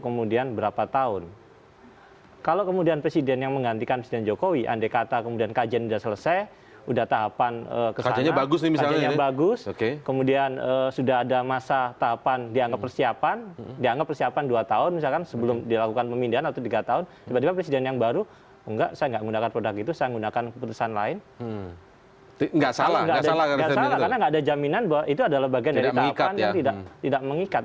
enggak salah karena enggak ada jaminan bahwa itu adalah bagian dari tahapan yang tidak mengikat